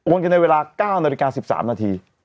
กันในเวลา๙นาฬิกา๑๓นาที